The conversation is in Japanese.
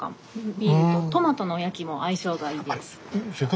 ビールとトマトのおやきも相性がいいです。